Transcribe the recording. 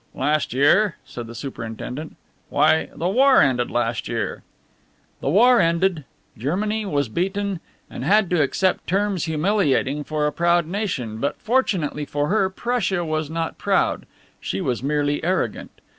"Last year?" said the superintendent. "Why, the war ended last year." "The war ended, Germany was beaten, and had to accept terms humiliating for a proud nation, but fortunately for her Prussia was not proud, she was merely arrogant.